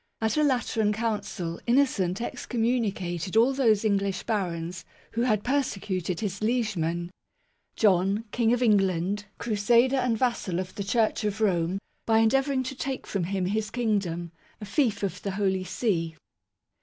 At a Lateran Council, Innocent excommunicated all those English barons who had "persecuted" his liegeman "John, King of England, crusader and vassal of the Church of Rome, by endeavouring to take from him his Kingdom, a fief of the Holy See